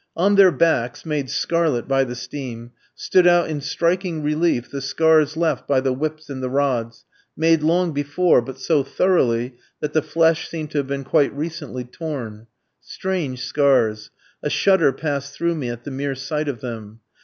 On their backs, made scarlet by the steam, stood out in striking relief the scars left by the whips and the rods, made long before, but so thoroughly that the flesh seemed to have been quite recently torn. Strange scars. A shudder passed through me at the mere sight of them.